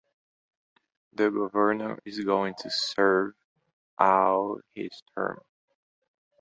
The governor is going to serve out his term.